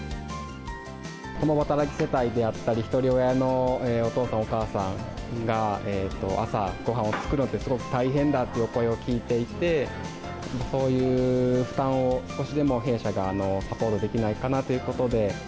共働き世帯であったり、ひとり親のお父さん、お母さんが朝、ごはんを作るのがすごく大変だっていうお声を聞いていて、そういう負担を少しでも弊社がサポートできないかなということで。